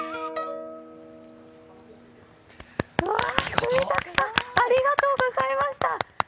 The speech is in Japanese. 住宅さん、ありがとうございました。